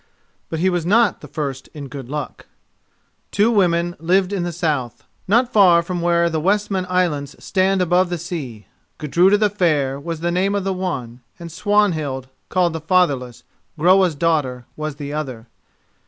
But he was not the first in good luck. Two women lived in the south, not far from where the Westman Islands stand above the sea. Gudruda the Fair was the name of the one, and Swanhild, called the Fatherless, Groa's daughter, was the other.